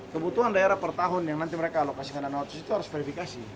kebutuhan daerah per tahun yang nanti mereka alokasikan analosis itu harus verifikasi